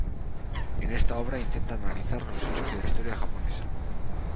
En esta obra intenta analizar los hechos de la historia japonesa.